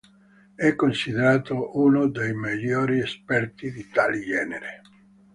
È considerato uno dei maggiori esperti di tale genere.